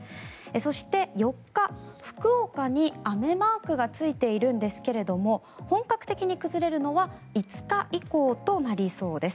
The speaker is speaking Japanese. そして４日、福岡に雨マークがついているんですが本格的に崩れるのは５日以降となりそうです。